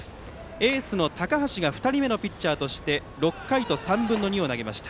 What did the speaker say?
エースの高橋が２人目のピッチャーとして６回３分の２を投げました。